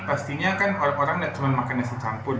pastinya kan orang orang tidak cuma makan nasi campur